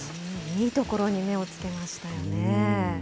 いいところに目をつけましたよね。